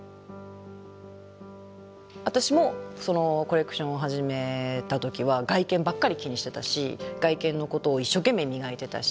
私もコレクションを始めた時は外見ばっかり気にしてたし外見のことを一生懸命磨いてたし。